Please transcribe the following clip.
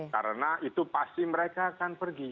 karena itu pasti mereka akan pergi